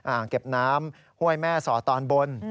อ่างเก็บน้ำห้วยแม่สอดตอนบน